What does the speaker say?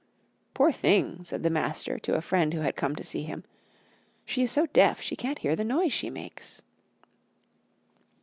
"Poor thing," said the master to a friend who had come to see him, "she is so deaf she can't hear the noise she makes."